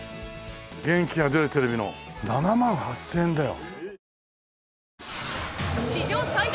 『元気が出るテレビ！！』の７万８０００円だよ。